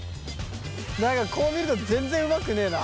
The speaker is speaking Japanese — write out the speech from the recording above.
何かこう見ると全然うまくねえな。